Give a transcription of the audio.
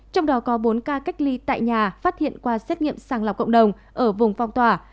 trong đó có bốn ca cách ly tại nhà phát hiện qua xét nghiệm sàng lọc cộng đồng ở vùng phong tỏa